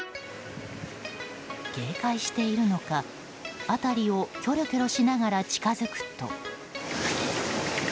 警戒しているのか、辺りをきょろきょろしながら近づくと。